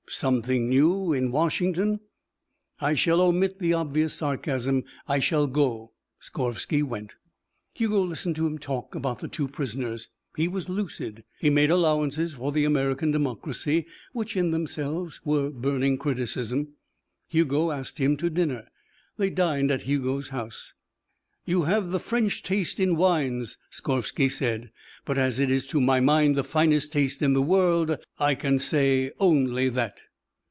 "Something new in Washington? I shall omit the obvious sarcasm. I shall go." Skorvsky went. Hugo listened to him talk about the two prisoners. He was lucid; he made allowances for the American democracy, which in themselves were burning criticism. Hugo asked him to dinner. They dined at Hugo's house. "You have the French taste in wines," Skorvsky said, "but, as it is to my mind the finest taste in the world, I can say only that."